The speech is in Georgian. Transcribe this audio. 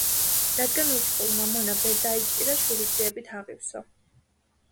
რადგან ურჩხულმა მონა ვერ დაიჭირა, შურისძიებით აღივსო.